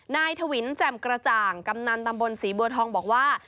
ถวินแจ่มกระจ่างกำนันตำบลศรีบัวทองบอกว่า